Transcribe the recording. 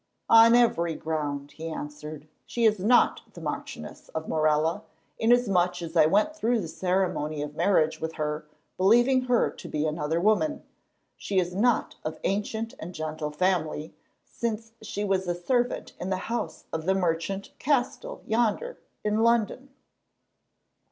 "On every ground," he answered. "She is not the Marchioness of Morella, inasmuch as I went through the ceremony of marriage with her believing her to be another woman. She is not of ancient and gentle family, since she was a servant in the house of the merchant Castell yonder, in London."